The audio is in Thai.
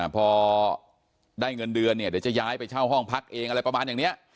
พอได้เงินเดือนเนี่ยเดี๋ยวจะย้ายไปเช่าห้องพักเองอะไรประมาณอย่างนี้